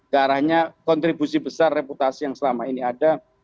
ke arahnya kontribusi besar reputasi yang selama ini ada